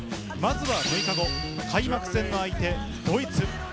６日後、開幕戦の相手ドイツ。